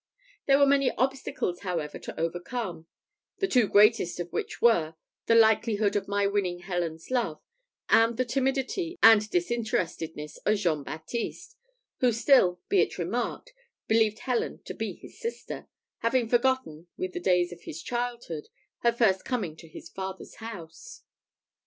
There were many obstacles, however, to be overcome, the two greatest of which were, the likelihood of my winning Helen's love, and the timidity and disinterestedness of Jean Baptiste, who still, be it remarked, believed Helen to be his sister, having forgotten, with the days of his childhood, her first coming to his father's house.